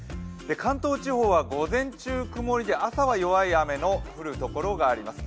関東地方は午前中、曇りで朝は弱い雨の降るところがあります。